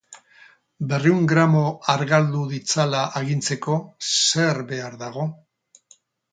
Berrehun gramo argaldu ditzala agintzeko zer behar dago?